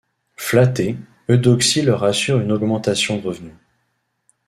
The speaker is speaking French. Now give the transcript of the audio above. Flattée, Eudoxie leur assure une augmentation de revenus.